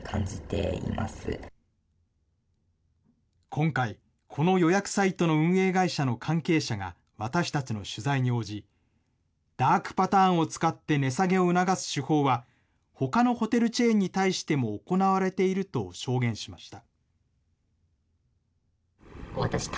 今回、この予約サイトの運営会社の関係者が、私たちの取材に応じ、ダークパターンを使って値下げを促す手法は、ほかのホテルチェーンに対しても行われていると証言しました。